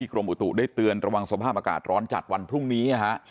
กรมอุตุได้เตือนระวังสภาพอากาศร้อนจัดวันพรุ่งนี้นะฮะ